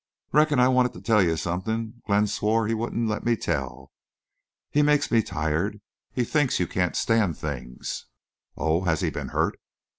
"Reckon I wanted to tell you something Glenn swore he wouldn't let me tell. ... He makes me tired. He thinks you can't stand things." "Oh! Has he been—hurt?"